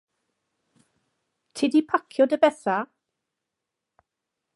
Ti 'di pacio dy betha?